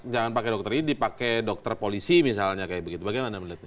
jadi ini dipakai dokter polisi misalnya kayak begitu bagaimana melihatnya